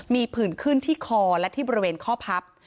มีผื่นขึ้นที่คอและที่บริเวณข้อพับ